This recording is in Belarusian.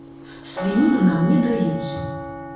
Свініну нам не даюць!